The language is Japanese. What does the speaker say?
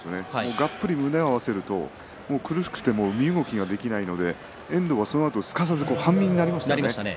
がっぷり胸を合わせると苦しくて身動きができないので遠藤はそのあとすかさず半身になりましたね。